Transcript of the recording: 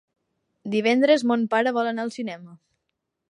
Divendres mon pare vol anar al cinema.